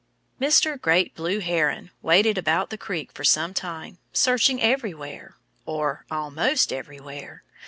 Mr. Great Blue Heron waded about the creek for some time, searching everywhere or almost everywhere.